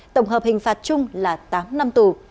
tổng hợp hình phạt chung là tám năm tù